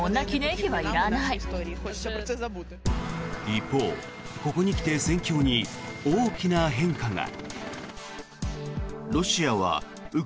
一方、ここに来て戦況に大きな変化が。